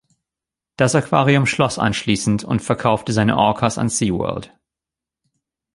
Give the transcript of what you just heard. Das Aquarium schloss anschließend und verkaufte seine Orcas an SeaWorld.